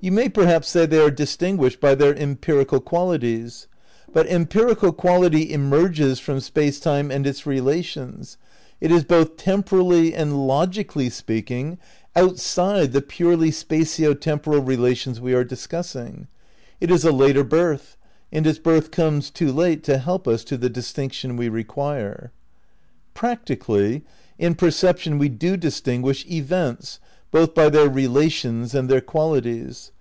You may perhaps say they are distinguished by their empirical qualities. But empirical quality '' emerges '' from Space Time and its relations; it is both tem porally and logically speaking outside the purely spatio temporal relations we are discussing; it is a later birth, and its birth comes too late to help us to the distinction we require. Practically, in perception we do distinguish events both by their relations and their qualities.